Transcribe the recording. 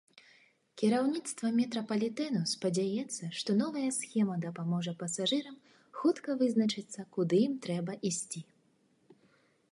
Кіраўніцтва метрапалітэну спадзяецца, што новая схема дапаможа пасажырам хутка вызначыцца, куды ім трэба ісці.